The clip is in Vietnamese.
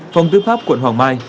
phòng tư pháp quận hoàng mai